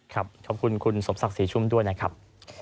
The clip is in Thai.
ขอบคุณคุณสมศักดิ์ศรีชุ่มด้วยนะครับ